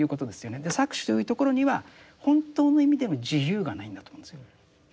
搾取というところには本当の意味での自由がないんだと思うんですよ。